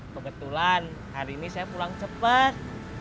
kebetulan hari ini saya pulang cepat